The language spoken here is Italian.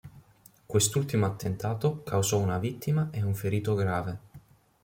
Quest'ultimo attentato causò una vittima e un ferito grave.